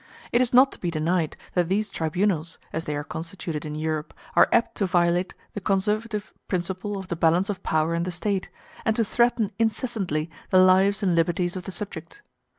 It is not to be denied that these tribunals, as they are constituted in Europe, are apt to violate the conservative principle of the balance of power in the State, and to threaten incessantly the lives and liberties of the subject.